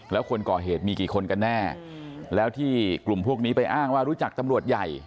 แล้วคนก่อเหตุมีกี่คนกันแน่แล้วที่กลุ่มพวกนี้ไปอ้างว่ารู้จักตำรวจใหญ่